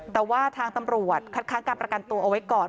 แต่ว่าทางตำรวจคัดค้างการประกันตัวเอาไว้ก่อน